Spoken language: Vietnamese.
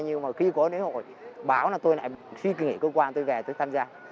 nhưng mà khi có lễ hội báo là tôi lại suy nghĩ cơ quan tôi về tôi tham gia